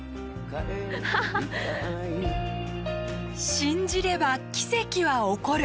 信じれば奇跡は起こる。